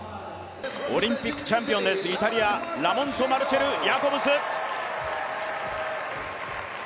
オリンピックチャンピオンですイタリア、ラモント・マルチェル・ヤコブス。